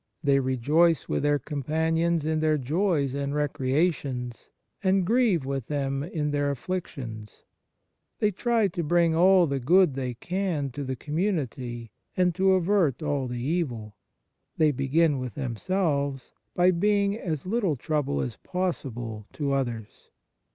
They rejoice with their companions in their joys and recreations, and grieve with them in their afflictions. They try to bring all the good they can to the community and to avert all the evil. They begin with themselves, by being as little trouble as possible to others.